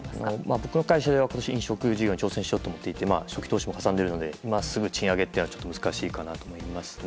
僕の会社では今年、飲食事業をやろうと思っていて初期投資もかさんでいるのですぐ賃上げはちょっと難しいかなと思いますね。